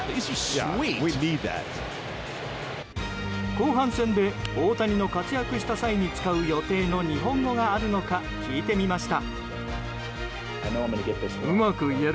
後半戦で大谷の活躍した際に使う予定の日本語があるのか聞いてみました。